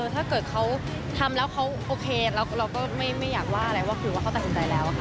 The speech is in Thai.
ถ้าเกิดเขาทำแล้วเขาโอเคเราก็ไม่อยากว่าอะไรว่าคือว่าเขาตัดสินใจแล้วค่ะ